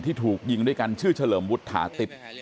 ถูกยิงด้วยกันชื่อเฉลิมวุฒิถาติบ